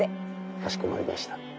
かしこまりました。